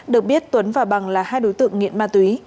được biết tuấn và bằng là hai đối tượng nghiện ma túy